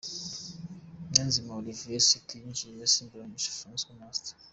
Niyonzima Olivier Sefu yinjiye asimbura Mugisha Francois Master